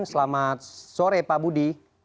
selamat sore pak budi